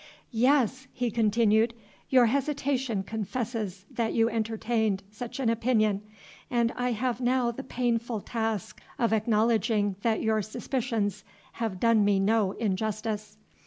"Yes!" he continued, "your hesitation confesses that you entertained such an opinion, and I have now the painful task of acknowledging that your suspicions have done me no injustice.